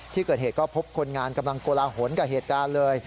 ที่เกิดเหตุก็พบคนงานกำลังโกลาหลกับเหตุการณ์เลย